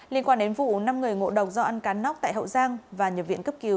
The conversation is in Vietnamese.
liên quan đến vụ năm người ngộ độc do ăn cá nóc tại hậu giang và nhập viện cấp cứu